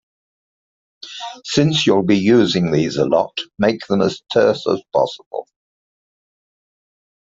Since you'll be using these a lot, make them as terse as possible.